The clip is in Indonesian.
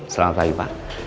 selamat pagi pak